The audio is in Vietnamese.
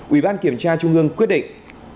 ủy ban kiểm tra trung ương quyết định